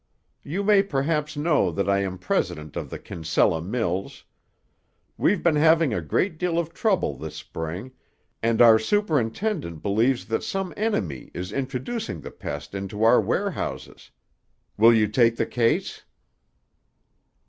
You may perhaps know that I am president of the Kinsella Mills. We've been having a great deal of trouble this spring, and our superintendent believes that some enemy is introducing the pest into our warehouses. Will you take the case?"